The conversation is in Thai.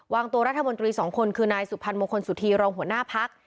วางตัวรัฐมนตรีสองคนคือนายสุพรรณมงคลสุธีรองหัวหน้าพัก